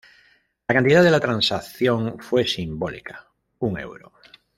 La cantidad de la transacción fue simbólica, un euro.